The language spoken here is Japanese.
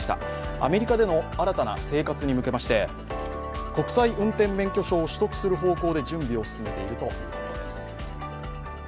アメリカでの新たな生活に向けまして、国際運転免許証を取得する方向で準備を進めているということです。